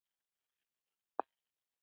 خدای د هر چا روزي رسوي.